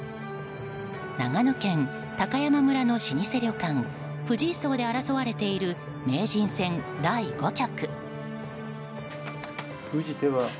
長野県高山村の老舗旅館藤井荘で争われている名人戦第５局。